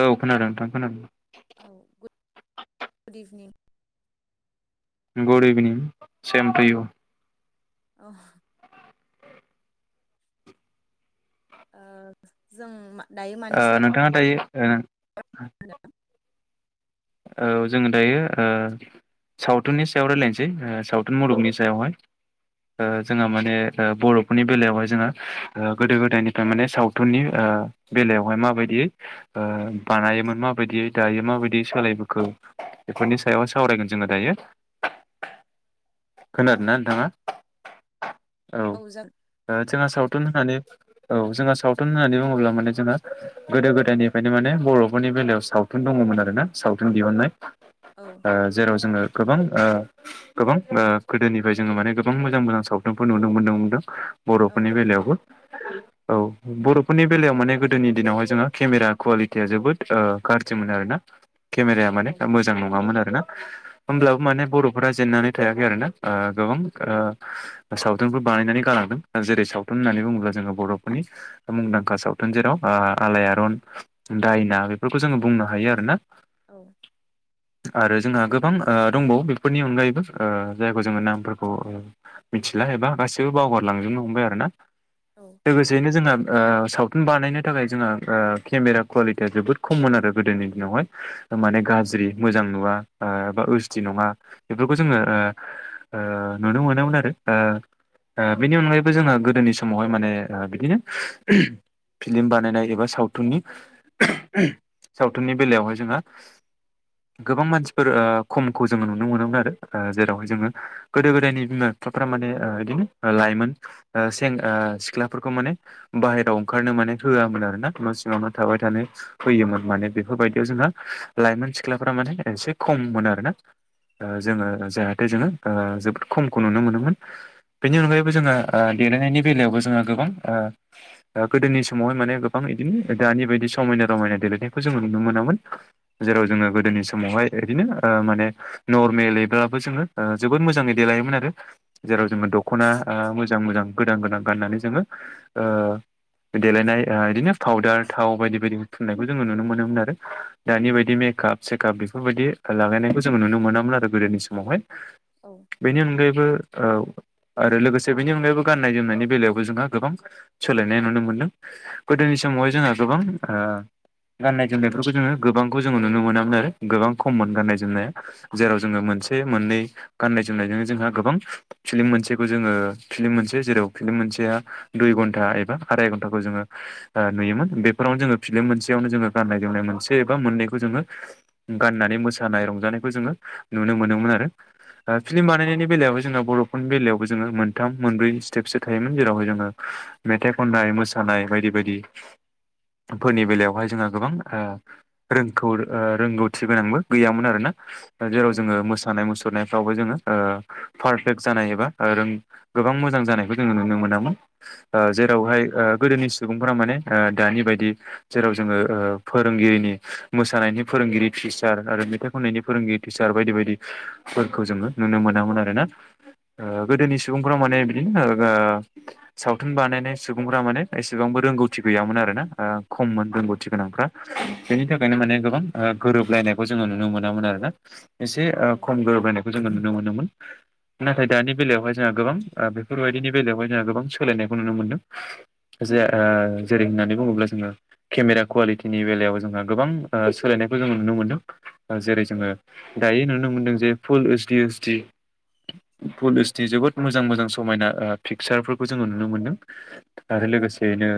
औ खोनादों नोंथां खोनादों औ good evening good evening same to you औ ओ जों मा दायो ओ मानि सायाव नोंथाङा दायै ओ औ जोङो दायो ओ सावथुननि सायाव रायजलायनोसै सावथुन मुलुगनि सायावहाय जोंहा माने होनो? औ बर'फोरनि बेलायावहाय जोंहा गोदो गोदायनिफ्राय माने सावथुननि ओ बेलायावहाय माबायदि ओ बाना योमोन माबायदि दायो माबायदि सोलाय यो बेफोरनि सायाव सावरायगोन जोङो दायो औ खोनादों ना नोंथाङा औ जोंहा सावथुन होनानै औ जोंहा सावथुन होननानै बुङोब्ला माने जोंहा गोदो गोदायनिफ्रायनो माने बर'फोरनि बेलायाव सावथुन सावथुन दङमोन आरोना सावथुन दिहुननाय औ जेराव जोङो गोबां ओ गोबां ओ गोदोनिफ्राय जोङो माने गोबां मोजां मोजां सावथुनफोर नुनो मोनदों नुदों औ बर'फोरनि बेलायावबो औ बर'फोरनि बेलायाव माने गोदोनि दिनावहाय जोंहा केमेरा कुवालिटिया जोबोद ओ गाज्रि मोन आरोना। औ केमेराया माने औ मोजां नङामोन आरोना होमब्लाबो माने बर'फोरा जेननानै थायाखै आरोना ओ गोबां ओ सावथुनफोर बानायनानै गालांबाय जेरै सावथुन होन्नानै बुङोब्ला जोङो बर'फोरनि मुंदांखा सावथुन जेराव आलायारन दायना बेफोरखौ जोङो बुंनो हायो आरो ना औ आरो जोंहा गोबां ओ दंबावो बेफोरनि अनगायैबो ओ जायखौ जोङो नामफोरखौ मिथिला एबा गासैबो बावगारलांजोबनो हमबाय आरोना औ लोगोसेयैनो जोंना ओ सावथुन बानायनो थाखाय जोंहा केमेरा कुवालिटिया जोबोद खममोन आरो गोदोनि दिनावहाय माने गाज्रि मोजां नुवा ओ बा ओसदि नङा बेफोरखौ जोङो ओ नुनो मोनोमोन आरो ओ बेनि अनगायैबो जोंहा गोदोनि समावहाय माने बिदिनो फिल्म बानायनाय एबा सावथुननि सावथुननि बेलायावहाय जोंहा गोबां मानसिफोर ओ खमखौ जोङो नुनो मोनोमोन आरो ओ जेरावहाय जोङो गोदो गोदायनि सिख्लाफ्रा माने ओ बिदिनो लाइमोन ओ सेंग्रा सिख्लाफोरखौ माने बाहेरायाव ओंखारनो मो माने होआमोन आरो ना न' सिङावनो थाबाय थानो होयोमोन माने बेफोरबायदियाव जोंहा लाइमोन सिख्लाफोरा माने एसे खममोन आरोना। ओ जोङो जाहाथे जोङो ओ जोबोद खमखौ नुनो मोनोमोन बेनि अनगायैबो जोङो आ देलायनायनि बेलायावबो जोङो गोबां ओ ओ गोदोनि समावहाय माने गोबां इदिनो दानि बायदि समायना रमायना देलायनायखौ जोङो नुनो मोनामोन, जेराव जोङो गोदोनि समावहाय इदिनो ओ माने नरमेलैब्लाबो जोङो जोबोद मोजाङै देलायोमोन आरो। जेराव जोङो दख'ना आ मोजां मोजां गोदान गोदान गाननानै जोङो ओ देलायनाय ओ इदिनो फावदार, थाव बायदि बायदि फुननायखौ जोङो नुनो मोनोमोन आरो। दानि बायदि मेकाप सेकाप बेफोरबायदि लागायनाय खौ जोङो नुनो मोनामोन आरो गोदोनि समावहाय। बेनि अनगायैबो ओ आरो लोगोसे बेनि अनगायैबो गाननाय जोमनायनि बेलायावबो जोंहा गोबां सोलायनाय नुनो मोनदों गोदोनि समावहाय जोङो गोबां ओ गाननाय जोमनायफोरखौ जोङो गोबांखौ जोङो नुनो मोनामोन, गोबां खममोन गाननाय जोमनाय जेराव जोङो मोनसे मोननै गाननाय जोमनायजों जोंहा गोबां फिल्म मोनसेखौ जोङो फिल्म मोनसे जेराव फिल्म मोनसेया दुइ घन्टा एबा आराय घन्टाखौ जोङो आ नुयोमोन। बेफोरावनो जोङो फिल्म मोनसेयावनो जोङो गाननाय जोमनाय मोनसे जेनेबा मोननैखौ जोङो गाननानै मोसानाय रंजानायखौ जोङो नुनो मोनोमोन आरो। ओ फिल्म बानायनायनि बेलायावहाय जोङो बर'फोरनि बेलायावबो जोङो मोनथाम मोनब्रै स्टेपसो थायोमोन। जेरावहाय जोङो मेथाइ खननाय, मोसानाय बायदि बायदिफोरनि बेलायावहाय जोंहा गोबां ओ रोंखौ ओ रोंगौथि गोनांबो गैयामोन आरोना जेराव जोङो मोसानाय मुसुरनाय यावबो जोङो ओ पारफेक्ट जानाय एबा रों गोबां मोजां जानायखौ जोङो नुनो मोनामोन। ओ जेरावहाय ओ गोदोनि सुबुंफोरा माने ओ दानि बायदि जेराव जोङो ओ फोर फोरोंगिरिनि मोसानायनि फोरोंगिरि टिचार आरो मेथाइ खननायनि फोरोंगिरि टिचार बायदि बायदि खौ जोङो नुनो मोनामोन आरो ना। ओ गोदोनि सुबुंफोरा माने बिदिनो ओ सावथुन बानायनाय सुबुंफोरा माने एसेबां रोंगौथि गैयामोन आरो ना, आ खममोन रोंगौथि गोनांफ्रा। बेनि थाखायनो माने गोबां आ गोरोबलायनाय खौ जोङो नुनो मोनामोन आरोना एसे आ खम गोरोबायनायखौ जोङो नुनो मोनोमोन। नाथाय दानि बेलायावहाय जोंहा गोबां बेफोरबायदिनि बेलायावहाय जोंहा गोबां सोलायनायखौ नुनो मोनदों। जे ओ जेरै होननानै बुङोब्ला जोङो केमेरा कुवालिटि नि बेलायाव जोंहा गोबां ओ सोलायनायखौ जोङो नुनो मोनदों। जेरै जोङो दायो नुनो मोनदों जे फुल ओइसडि एसडि पुल ओइसडि जोबोद मोजां मोजां समायना ओ पिकचारफोरखौ जोङो नुनो मोनदों। आरो औ लोगोसेयैनो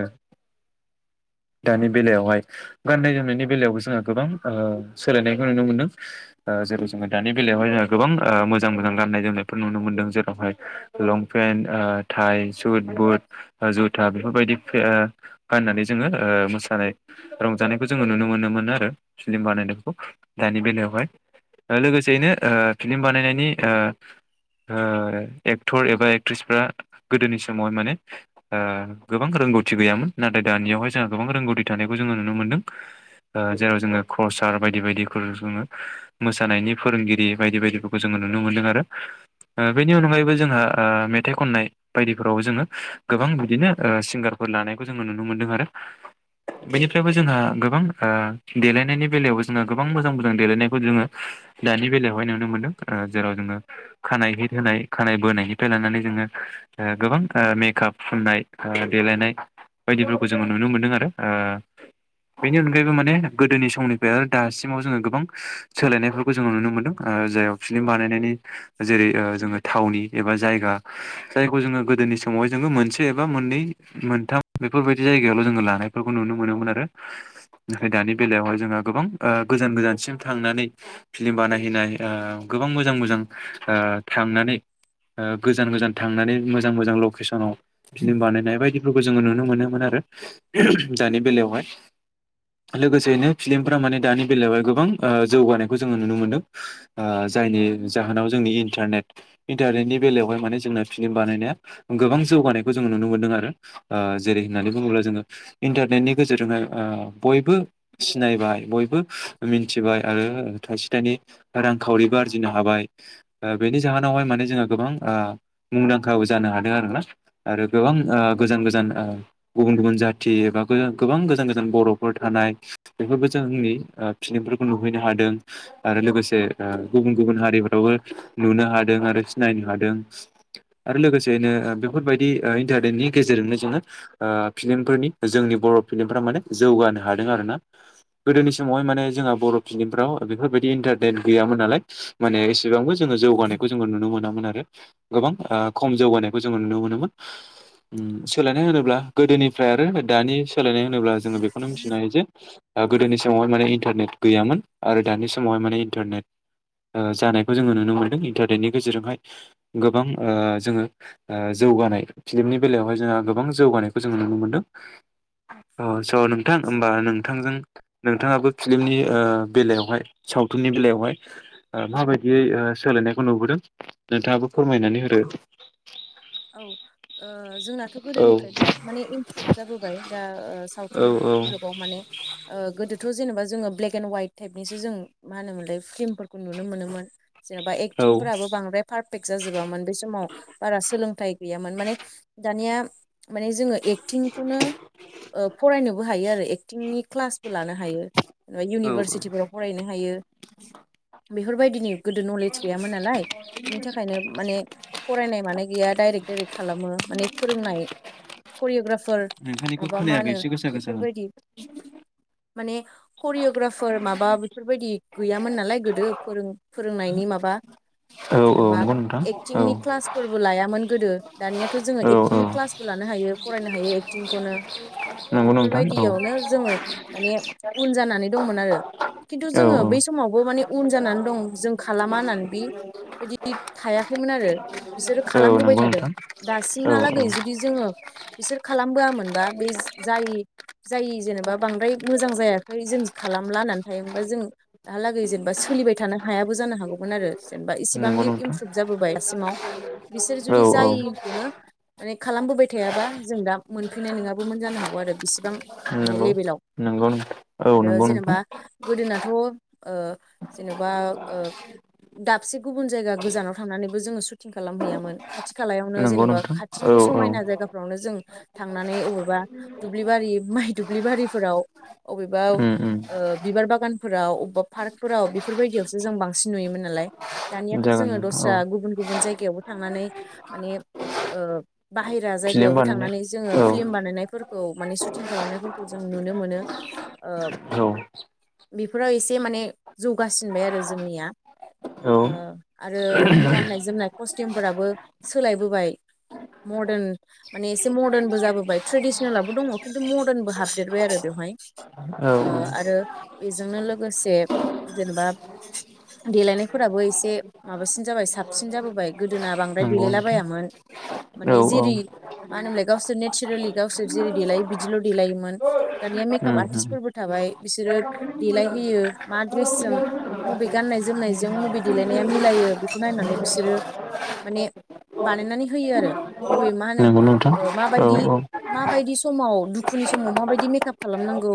दानि बेलायावहाय गाननाय जोमनायनि बेलायावबो जोङो गोबां आ सोलायनायखौ नुनो मोनदों। आ जेरै जोङो दानि बेलायाव बेवहाय जों गोबां मोजां मोजां गान्नाय जोमनायफोर नुनो मोन्दों जेरावहाय लंपेन्ट ओ थाइ सुद बुट ओ जुथा बेफोरबायदि ओ गाननानै जोङो ओ मोसानाय रंजानायखौ जोङो नुनो मोनोमोन आरो फिलिम बानायनायखौ दानि बेलायावहाय लोगोसेयैनो ओ फिल्म बानायनायनि ओ ओ एक्टर एबा एक्ट्रिसफ्रा गोदोनि समाव माने ओ गोबां रों रोंगौथि गैयामोन। नाथाय दानियावहाय जोंहा गोबां रोंगौथि थानायखौ जोङो नुनो मोन्दों। ओ जेराव जोङो क्रसार बायदि बायदिखौ जोङो मोसानायनि फोरोंगिरि बायदि बायदिफोरखौ जोङो नुनो मोनदों आरो। ओ बेनि अनगायैबो जोंहा आ मेथाइ खननाय बायदिफोराव जोङो गोबां बिदिनो ओ सिंगारफोर लानायखौ जोङो नुनो मोनदों आरो। बेनिफ्रायबो जोंहा गोबां ओ देलायनायनि बेलायावबो जोंहा गोबां मोजां मोजां देलायनायखौ जोङो दानि बेलायावहाय नुनो मोनदों ओ जेराव जोङो खानाइ हित होनाय खानाय बोनायनिफ्राय लानानै जोङो ओ गोबां ओ मेकाप फुननाय ओ देलायनाय बायदिफोरखौ जोङो नुनो मोनदों आरो। ओ बेनि अनगायैबो माने गोदोनि समनिफ्राय आरो दासिमाव जोङो गोबां सोलायनायफोरखौ जोङो नुनो मोनदों। ओ जाय फिलम बानायनायनि जेरै ओ जोङो थावनि एबा जायगा जायखौ जोङो गोदो नि समावाय जोङो मोनसे एबा मोननै मोनथाम बेफोरबायदि जायगायावल' जोङो लानाय फोरखौ नुनो मोनोमोन आरो नाथाय दानि बेलायावहाय जोंहा गोबां ओ गोजान गोजानसिम थांनानै फ्लिम बानायहैनाय ओ गोबां मोजां मोजां ओ थांनानै ओ गोजान गोजान थांनानै मोजां मोजां लकेसनाव फ्लिम बानायनाय बायदिफोरखौ जोङो नुनो मोनोमोन आरो दानि बेलायावहाय लोगोसेयैनो फ्लिमफोरा माने दानि बेलायावहाय गोबां ओ जौगानायखौ जोङो नुनो मोनदों ओ जायनि जाहोनाव जोंनि इन्टारनेट इन्टारनेटनि बेलायावहाय माने जोंना फिल्म बानायनाया गोबां ज जौगानायखौ जोंङो नुनो मोनदों आरो औ जेरै होननानै बुङोब्ला जोङो इन्टारनेटनि गेजेरजोंहाय ओ बयबो सिनायबाय बयबो मिथिबाय आरो थाइसे थाइनै रांखावरिबो आरजिनो हाबाय ओ बेनि जाहोनावहाय माने जोङहा गोबां ओ मुंदांखा जानो हादों आरो ना आरो गोबां ओ गोजान गोजान ओ गुबुन गुबुन जाथ थि एबा गोबां गोजान गोजान बर'फोर थानाय बेफोरबो जों आंनि ओ फ्लिमफोरखौ नुहैनो हाद दों आरो लोगोसे गुबुन गुबुन हारिफोरावबो नुनो हादों आरो सिनायनो हादों आरो लोगोसेयैनो ओ बेफोरबायदि ओ इन्टारनेटनि गेजेरजोंनो जोङो ओ फिल्मफोरनि जोंनि बर' फिलिमफ्रा माने जौगानो हादों आरोना गोदोनि समावहाय माने जोंहा बर' फिलिमफ्राव बेफोरबायदि इन्टारटेेन गैयामोन नालाय माने एसेबांबो जों जौगानायखौ जों नुनो मोनामोन आरो गोबां ओ खम जौगानायखौ जो नुनो मोनोमोन उम सोलायनाय होनोब्ला गोदोनिफ्राय आरो दानि सोलायनाय होनोब्ला जोङो बेखौनो मिथिनो हायो जे ओ गोदोनि समावहाय माने इन्टारनेट गैयामोन आरो दानि समावहाय माने इन्टारनेट ओ जानायखौ जोङो नुनो मोनदों इन्टारनेटनि गेजेरजोंहाय गोबां ओ जोङो ओ जोङो जौगानाय फिल्मनि बेलायावहाय जोंहा गोबां जौगानायखौ जोङो नुनो मोनदों औ स' नोंथां होमबा नोंथांजों नोंथाङाबो फिल्मनि ओ बेलायावहाय सावथुननि बेलायावहाय ओ माबायदियै ओ सोलायनायखौ नुबोदों नोंथाङाबो फोरमायनानै होदो औ ओ जोंनाथ' औ गोदोनिफ्राय बिराद माने इमप्रुभ जाबोबाय दा औ सावथुन मुलुगाव माने ओ गोदोथ' जेनेबा जोङो ब्लेक एणड ह्वाइट टाइपनिसो जों मा होनोमोनलाय फ्लिमफोरखौ नुनो मोनोमोन जेन'बा औ एक्टिंफोराबो बांद्राय पारफेक्ट जाजोबामोन बे समाव बारा सोलों थाय गैयामोन माने दानिया माने जोङो एकटिंखौनो ओ फरायनोबो हायो आरो एक्टिंनि क्लासबो लानो हायो ओ औ औ इउनिभारसिटिफोराव फरायनो हायो बेफोरबायदिनि गोदो नलेज गैयामोन नालाय बिनि थाखायनो माने फरायनाय मानाय गैया दायरेक दायरेक खालामो माने फोरोंनाय करियग्राफ फोर नोंथांनिखौ माबा मा खोनायाखै होनो एसे गोसा गोसा होन बेफोरबायदि माने करिय'ग्राफार माबा बेफोरबायदि गैयामोन नालाय गोदो फोरों-फोरोंनायनि माबा औ औ जेनबा नंगौ नोंथां औ एटिंनि क्लासफोरबो लायामोन गोदो दानियाथ' जोङो औ औ एक्टिंनि क्लासबो लानो हायो फरायनो हायो एकटिंखौनो नंगौ नोंथां औ बेफोरबायदियावनो जोङो माने उन जानानै दंमोन आरो खिन्थु औ जोङो बै समावबो माने उन जानानै दं जों खालामा होननानै बि बायदि थायाखैमोन आरो बिसोरो औ खालामबोबाय था नंगौ नोंथां औ औ दासिमहालागै जुदि जोङो बिसोर खालामबोआमोनबा बे जाय जेनेबा बांद्राय मोजां जायाखै जों खालामला होननानै थायो हबा जोंहालागै जेनेबा सोलिबाय थानो हायाबो जानो हागौमोन आरो जेनेबा नंगौ इसेबांनि नोंथां इमप्रुभ जाबोबाय दसिमाव बिसोर औ जुदि औ जायिखौनो माने खालामबोबाय थायाबा जों दा मोनफैनाय नङाबो मोन जानो हागौ आरो बिसिबां माने नंगौ लेबेलाव नंगौ औ आरो नंगौ नोंथां जेनेबा गोदोनाथ'। ओ जेन'बा ओ। दाबसे गुबुन जायगा गोजानाव थांनानैबो जोङो सुटिं खालामहैयामोन। खाथि खालायावनो नंगौ जेनेबा नोंथां औ खाथिनि औ समायना जायगाफ्रावनो जों। थांनानै अबेबा दुब्लिबारि माइ दुब्लिबारिफोराव। अबेबा उम ओ उम बिबार बागानफोराव अबेबा पार्कफोराव बेफोरबायदियावसो जों बांसिन नुयोमोन आरो। नालाय दानियाथ' जागोन जोङो औ दस्रा गुबुन-गुबुन जायगायावबो थांनानै। माने ओ बाहेरा फिल्म जायगायावबो बानायनाय थांनानै जोङो औ फिल्म बानायनाय फोर। खौ माने सुटिं खालामनायफोरखौ जों नुनो मोनो ओ। औ बेफोराव एसे माने जौगासिनबाय आरो जोंनिया। ओ औ आरो गाननाय जोमनाय कस्टिमफोराबो सोलायबोबाय। मदार्न माने एसे मदार्नबो जाबोबाय ट्रेडिसनेलबो दङ खिन्थु मदार्नबो हाबदेरबाय आरो बेयाव। [unintelligible] औ ओ आरो बेजोंनो लोगोसे जेनेबा देलायनायफोराबो एसे। एसे माबासिन जाबाय साबसिन जाबोबाय गोदोना बांद्राय नंगौ नोंथां देलायलाबायामोन। औ माने औ जिरि। उम मानो होनोमलाय गावसोर नेचारेलि गावसोर जेरै देलायो बिदिल' देलायोमोन दानिया मेकआप आरटिस उम फोरबो थाबाय। बाय बिसोर देल होयो मा द्रेसजों मबे गनाय जनायजों मबे देलनाया। मिलायो बेखौ नायनानै बिसोरो माने। बानायनानै होयो आरो गुबै मा होनो नंगौ नोंथां ओ औ माबायदि-माबायदि समाव। दुखुनि समाव माबायदि मेकआप खालामनांगौ।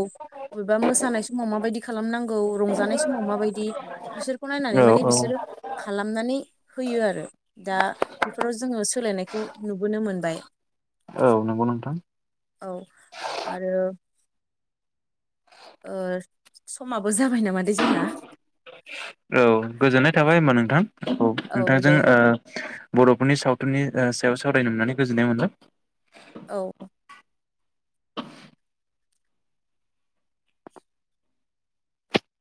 अबेबा मोसानाय समाव माबायदि खालामनांगौ रंजानाय समाव माबायदि बिसोरखौ नायनानै औ माने औ बिसोरो। खालामनानै होयो आरो दा। बेफोराव जोङो सोलायनायखौ नुबोनो मोनबाय। नंगौ नोंथां औ आरो। ओ समाबो जाबाय नामादै जोंना। औ गोजोननाय थाबाय होमबा नोंथां औ औ नोंथांजों दे ओ बर'फोरनि सावथुननि ओ सायाव सावरायनो मोननानै गोजोननाय मोनबाय। औ-औ।